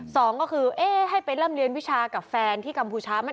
สองก็คือเอ๊ะให้ไปร่ำเรียนวิชากับแฟนที่กัมพูชา